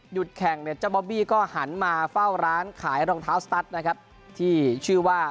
แข่งเนี่ยเจ้าบอบบี้ก็หันมาเฝ้าร้านขายรองเท้าสตัสนะครับที่ชื่อว่า